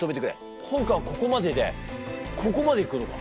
本官はここまででここまで行くのか。